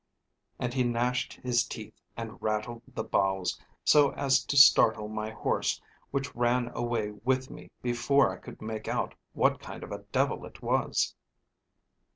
And he gnashed his teeth, and rattled the boughs, so as to startle my horse, which ran away with me before I could make out what kind of a devil it was."